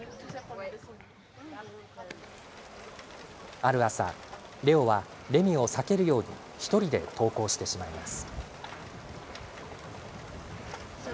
ある朝、レオはレミを避けるように１人で登校してしまいます。